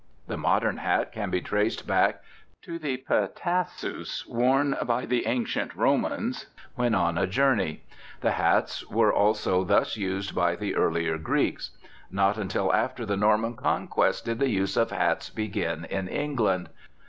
The modern hat can be traced back to the petasus worn by the ancient Romans when on a journey; and hats were also thus used by the earlier Greeks. Not until after the Norman conquest did the use of hats begin in England.